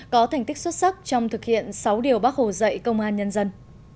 có thành tích xuất sắc trong thực hiện sáu điều bác hồ dạy công an nhân dân